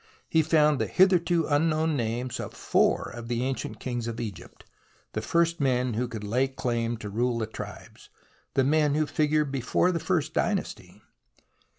He found the hitherto unknown names of four of the ancient kings of Egypt, the first men who could lay claim to rule the tribes, the men who figure before the first Dynasty.